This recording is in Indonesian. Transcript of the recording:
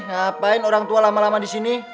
ngapain orang tua lama lama di sini